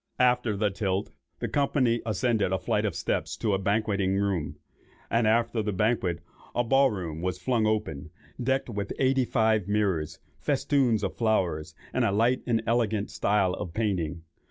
After the tilt, the company ascended a flight of steps to a banqueting room, and after the banquet, a ball room was flung open, "decked with eighty five mirrors, festoons of flowers, and a light and elegant style of painting."